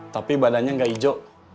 tapi badannya gak ijo